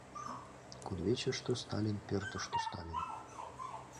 Кудывечыште — Сталин, пӧртыштӧ — Сталин...